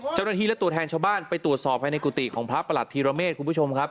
เจ้าหน้าที่และตัวแทนชาวบ้านไปตรวจสอบภายในกุฏิของพระประหลัดธีรเมฆคุณผู้ชมครับ